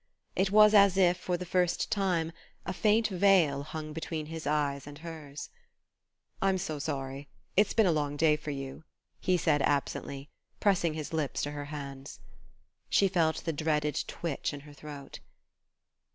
It was as if, for the first time, a faint veil hung between his eyes and hers. "I'm so sorry: it's been a long day for you," he said absently, pressing his lips to her hands She felt the dreaded twitch in her throat.